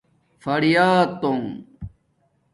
فریاتُنگ